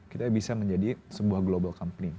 kita bisa menjadi sebuah global compling